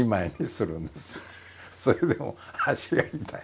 それでも足が痛い。